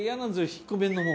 引っ込めるのも。